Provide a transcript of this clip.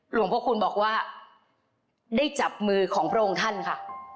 หลวงพระคุณบอกว่าได้จับมือของพระองค์ท่านค่ะ